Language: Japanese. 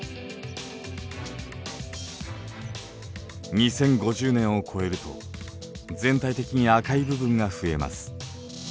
２０５０年を超えると全体的に赤い部分が増えます。